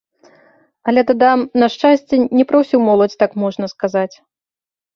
Але, дадам, на шчасце, не пра ўсю моладзь так можна сказаць.